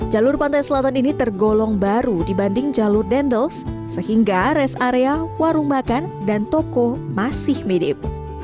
jalur pantai selatan ini tergolong baru dibanding jalur dendels sehingga rest area warung makan dan toko masih minim